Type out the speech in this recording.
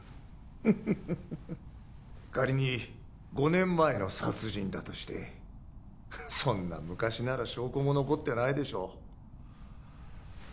フッフフフフフフ仮に５年前の殺人だとしてそんな昔なら証拠も残ってないでしょう